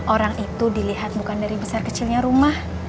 orang itu dilihat bukan dari besar kecilnya rumah